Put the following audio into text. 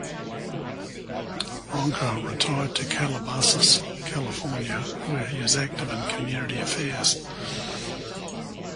Ronka retired to Calabasas, California, where he is active in community affairs.